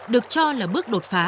được cho là bước đột phá